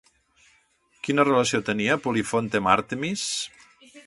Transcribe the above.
Quina relació tenia Polifonte amb Àrtemis?